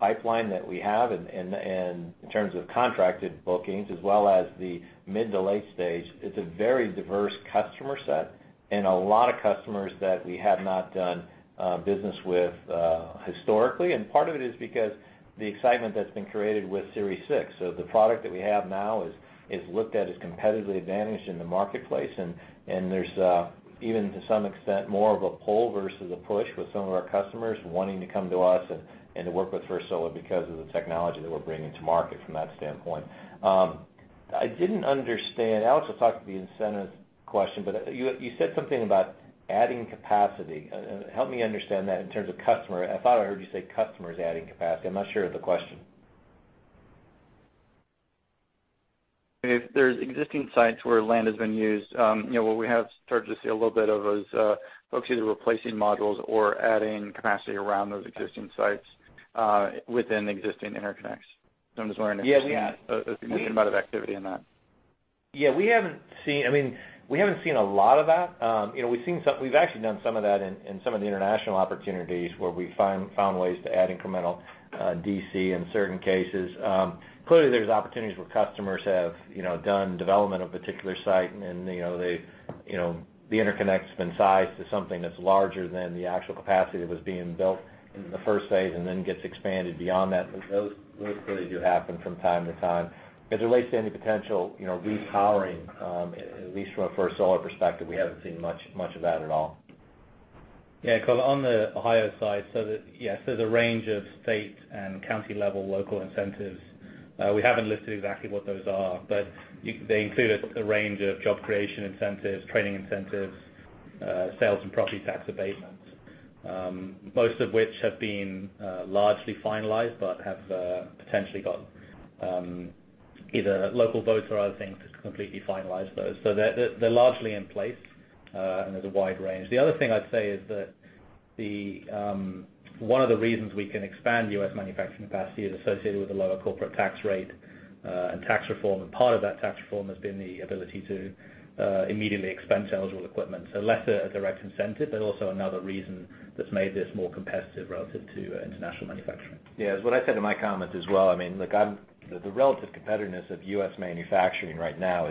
pipeline that we have in terms of contracted bookings as well as the mid to late stage, it's a very diverse customer set and a lot of customers that we have not done business with historically, and part of it is because the excitement that's been created with Series 6. The product that we have now is looked at as competitively advantaged in the marketplace, and there's even to some extent more of a pull versus a push with some of our customers wanting to come to us and to work with First Solar because of the technology that we're bringing to market from that standpoint. I didn't understand. Alex will talk to the incentives question. You said something about adding capacity. Help me understand that in terms of customer. I thought I heard you say customers adding capacity. I'm not sure of the question. If there's existing sites where land has been used, what we have started to see a little bit of is folks either replacing modules or adding capacity around those existing sites within existing interconnects. I'm just wondering if you- Yeah, we haven't seen- if you've seen a bit of activity in that. We haven't seen a lot of that. We've actually done some of that in some of the international opportunities where we found ways to add incremental DC in certain cases. Clearly, there's opportunities where customers have done development of a particular site, and the interconnect's been sized to something that's larger than the actual capacity that was being built in the first phase and then gets expanded beyond that. Those clearly do happen from time to time. As it relates to any potential repowering, at least from a First Solar perspective, we haven't seen much of that at all. Colin, on the Ohio side, there's a range of state and county level local incentives. We haven't listed exactly what those are, but they include a range of job creation incentives, training incentives, sales and property tax abatements. Most of which have been largely finalized, but have potentially got either local votes or other things to completely finalize those. They're largely in place, and there's a wide range. The other thing I'd say is that one of the reasons we can expand U.S. manufacturing capacity is associated with a lower corporate tax rate, and tax reform, and part of that tax reform has been the ability to immediately expense eligible equipment. Less a direct incentive, but also another reason that's made this more competitive relative to international manufacturing. It's what I said in my comments as well. The relative competitiveness of U.S. manufacturing right now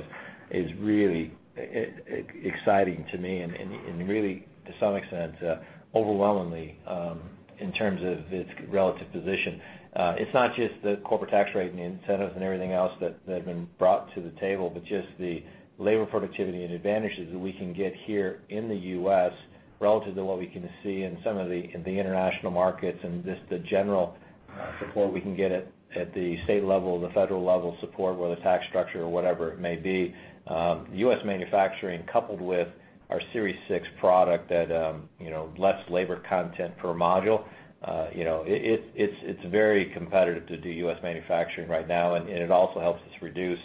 is really exciting to me and really, to some extent, overwhelmingly, in terms of its relative position. It's not just the corporate tax rate and the incentives and everything else that have been brought to the table, but just the labor productivity and advantages that we can get here in the U.S. relative to what we can see in some of the international markets, and just the general support we can get at the state level, the federal level support, whether tax structure or whatever it may be. U.S. manufacturing coupled with our Series 6 product that, less labor content per module. It's very competitive to do U.S. manufacturing right now, and it also helps us reduce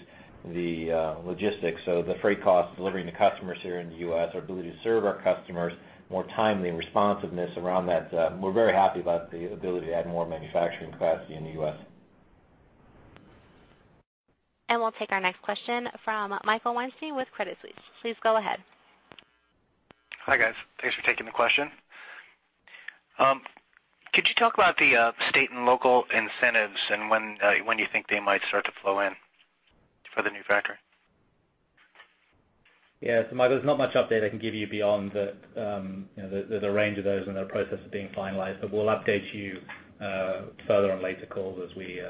the logistics. The freight costs delivering to customers here in the U.S., our ability to serve our customers, more timely and responsiveness around that. We're very happy about the ability to add more manufacturing capacity in the U.S. We'll take our next question from Michael Weinstein with Credit Suisse. Please go ahead. Hi, guys. Thanks for taking the question. Could you talk about the state and local incentives and when you think they might start to flow in for the new factory? Yeah. Michael, there's not much update I can give you beyond the range of those and their process is being finalized. We'll update you further on later calls as we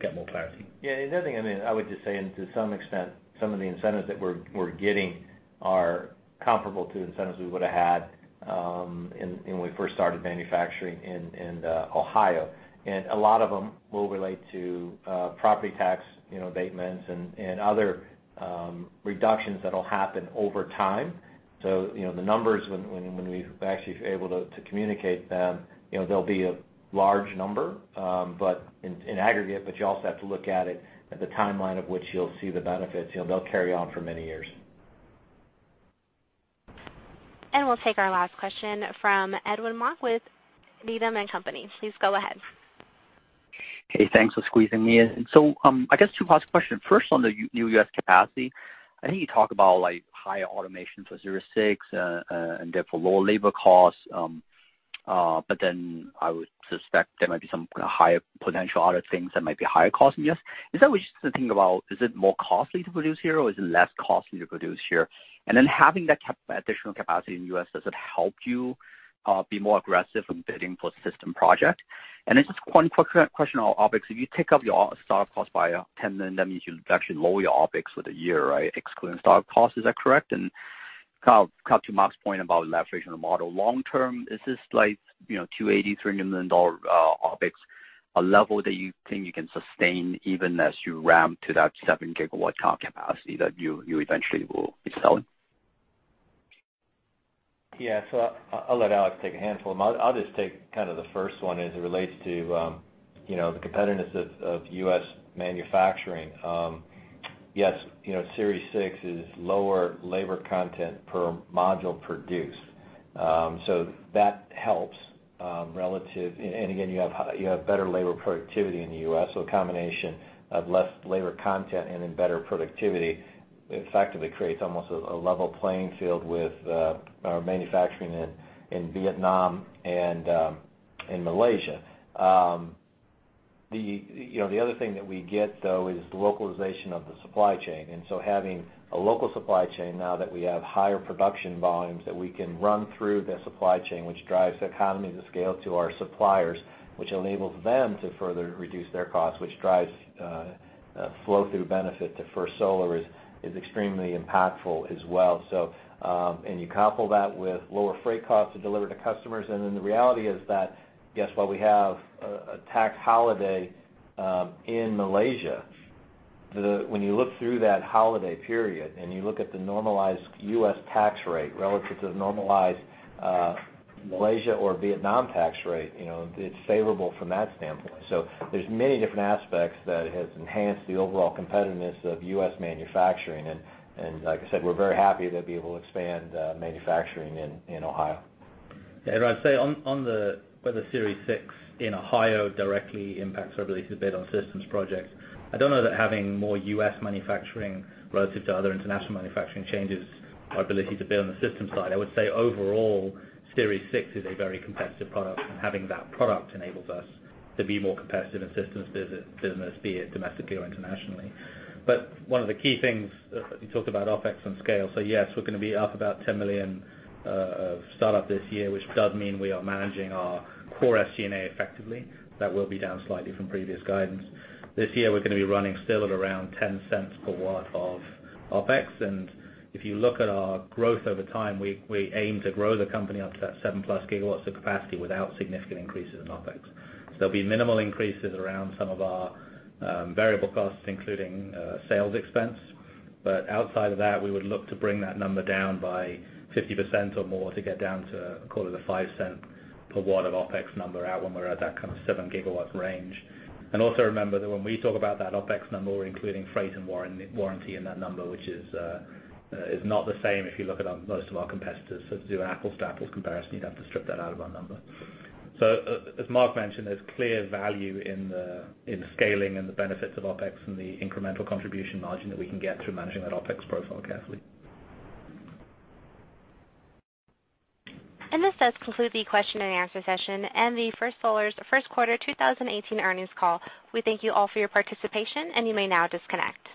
get more clarity. Yeah, another thing, I would just say, and to some extent, some of the incentives that we're getting are comparable to incentives we would've had when we first started manufacturing in Ohio. A lot of them will relate to property tax abatements and other reductions that'll happen over time. The numbers, when we actually are able to communicate them, they'll be a large number in aggregate, but you also have to look at it at the timeline of which you'll see the benefits. They'll carry on for many years. We'll take our last question from Edwin Mok with Needham & Company. Please go ahead. Thanks for squeezing me in. I guess two parts to the question. First, on the new U.S. capacity, I know you talk about higher automation for Series 6, and therefore lower labor costs. I would suspect there might be some higher potential other things that might be higher cost in the U.S. Is that what you're still thinking about? Is it more costly to produce here, or is it less costly to produce here? Having that additional capacity in the U.S., does it help you be more aggressive in bidding for system project? Just one quick question on OpEx. If you take up your startup cost by $10 million, that means you'll actually lower your OpEx for the year, right? Excluding startup costs. Is that correct? Kind of to Mark's point about leveraging the model long term, is this like, $280 million-$300 million OpEx a level that you think you can sustain even as you ramp to that seven gigawatt capacity that you eventually will be selling? I'll let Alex take a handful. I'll just take kind of the first one as it relates to the competitiveness of U.S. manufacturing. Yes, Series 6 is lower labor content per module produced. That helps. Again, you have better labor productivity in the U.S., so a combination of less labor content and then better productivity effectively creates almost a level playing field with our manufacturing in Vietnam and in Malaysia. The other thing that we get though, is the localization of the supply chain. Having a local supply chain now that we have higher production volumes that we can run through the supply chain, which drives economies of scale to our suppliers, which enables them to further reduce their costs, which drives flow through benefit to First Solar, is extremely impactful as well. You couple that with lower freight costs to deliver to customers, the reality is that, yes, while we have a tax holiday in Malaysia, when you look through that holiday period and you look at the normalized U.S. tax rate relative to the normalized Malaysia or Vietnam tax rate it's favorable from that standpoint. There's many different aspects that has enhanced the overall competitiveness of U.S. manufacturing. Like I said, we're very happy to be able to expand manufacturing in Ohio. I'd say on whether Series 6 in Ohio directly impacts our ability to bid on systems projects, I don't know that having more U.S. manufacturing relative to other international manufacturing changes our ability to bid on the systems side. I would say overall, Series 6 is a very competitive product, and having that product enables us to be more competitive in systems business, be it domestically or internationally. One of the key things, you talked about OpEx and scale, yes, we're going to be up about $10 million of startup this year, which does mean we are managing our core SG&A effectively. That will be down slightly from previous guidance. This year, we're going to be running still at around $0.10 per watt of OpEx. If you look at our growth over time, we aim to grow the company up to that 7-plus gigawatts of capacity without significant increases in OpEx. There'll be minimal increases around some of our variable costs, including sales expense. Outside of that, we would look to bring that number down by 50% or more to get down to, call it a $0.05 per watt of OpEx number out when we're at that kind of 7 gigawatts range. Also remember that when we talk about that OpEx number, we're including freight and warranty in that number, which is not the same if you look at most of our competitors. To do an apples-to-apples comparison, you'd have to strip that out of our number. As Mark mentioned, there's clear value in the scaling and the benefits of OpEx and the incremental contribution margin that we can get through managing that OpEx profile carefully. This does conclude the question and answer session and the First Solar's first quarter 2018 earnings call. We thank you all for your participation, and you may now disconnect.